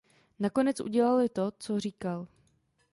Nakonec udělali to, co říkal.